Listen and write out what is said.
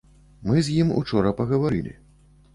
Мы з ім учора пагаварылі.